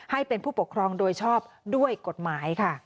ให้เป็นผู้ปกครองโดยชอบด้วยกฎหมายค่ะ